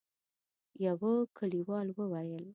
يوه کليوال وويل: